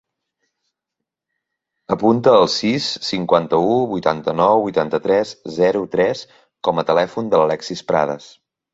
Apunta el sis, cinquanta-u, vuitanta-nou, vuitanta-tres, zero, tres com a telèfon de l'Alexis Prades.